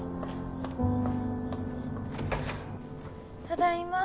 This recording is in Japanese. ただいま。